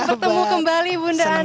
bertemu kembali bunda ana